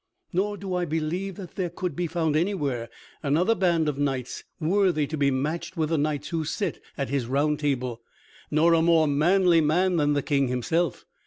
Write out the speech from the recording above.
Nor do I believe that there could be found anywhere another band of knights worthy to be matched with the knights who sit at his Round Table, nor a more manly man than the King himself.